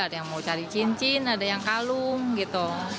ada yang mau cari cincin ada yang kalung gitu